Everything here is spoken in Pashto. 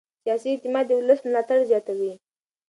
سیاسي اعتماد د ولس ملاتړ زیاتوي